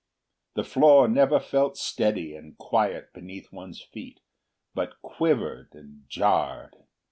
The floor never felt steady and quiet beneath one's feet, but quivered and jarred.